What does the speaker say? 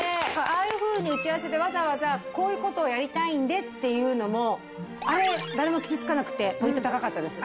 ああいうふうに打ち合わせでわざわざこういう事をやりたいんでっていうのもあれ誰も傷つかなくてポイント高かったです。